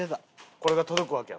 これが届くわけや。